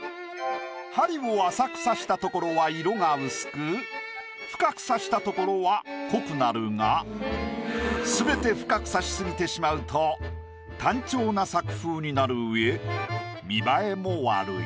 針を浅く刺した所は色が薄く深く刺した所は濃くなるが全て深く刺し過ぎてしまうと単調な作風になるうえ見栄えも悪い。